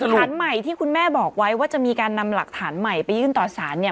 ฐานใหม่ที่คุณแม่บอกไว้ว่าจะมีการนำหลักฐานใหม่ไปยื่นต่อสารเนี่ย